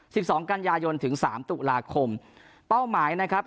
สองกันยายนถึงสามตุลาคมเป้าหมายนะครับ